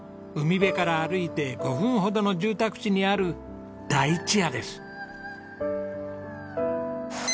海辺から歩いて５分ほどの住宅地にある「だいちや」です。